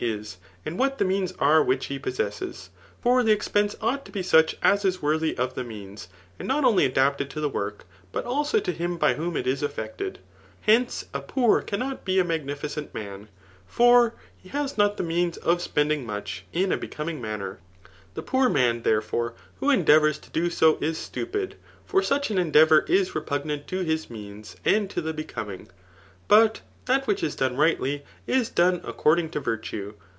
is, and what the means are which he possesses. For the expense ought to be such as is worthy of the means, and not only adapted to the work, but also to him by whom it is effected. Hence a poor cannot be a nu^nifi cent man ; for he has not the means of spending much Digitized by Google 126 THE HICOMACHEAN BOpK lY. in a becoming manner. The poor noaa, tharefoi«^.wli0 unUaTOurs to do so is stupid ; kxr auch an endeavour is repugnant to his means and to the becoming* But that which is done rightly, is done accordtag to virtue.